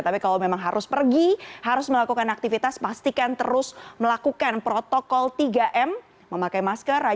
tapi kalau memang harus pergi harus melakukan aktivitas pastikan terus berjalan dengan baik ya pak ya pak